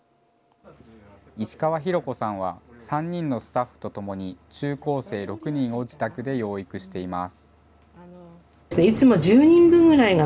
石川浩子さんは、３人のスタッフと共に、中高生６人を自宅で養育しています。